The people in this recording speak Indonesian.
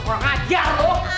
kurang ajar lu